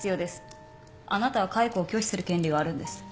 あなたは解雇を拒否する権利があるんです。